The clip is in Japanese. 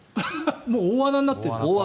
もう大穴になってるの。